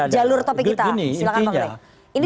jalur topik kita silahkan pak menteri gini intinya